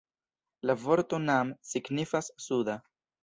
La vorto "nam" signifas 'suda'.